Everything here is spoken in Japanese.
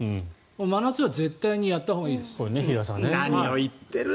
真夏は絶対にやったほうがいいです。